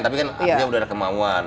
tapi kan artinya udah ada kemauan